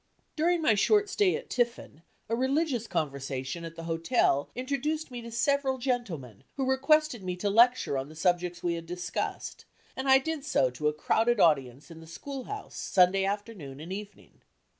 During my short stay at Tiffin, a religious conversation at the hotel introduced me to several gentlemen who requested me to lecture on the subjects we had discussed, and I did so to a crowded audience in the school house Sunday afternoon and evening.